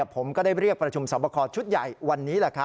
ผมก็ได้เรียกประชุมสอบคอชุดใหญ่วันนี้